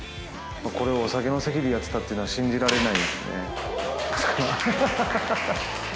これをお酒の席でやってたって信じられないですね。